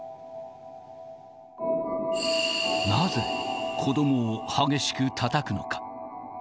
なぜ子どもを激しくたたくのか。